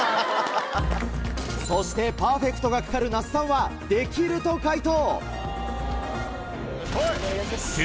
そしてパーフェクトが懸かる那須さんは「できる」と解答。